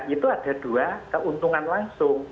itu ada dua keuntungan langsung